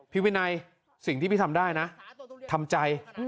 วินัยสิ่งที่พี่ทำได้นะทำใจ